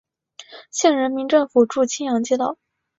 县人民政府驻青阳街道。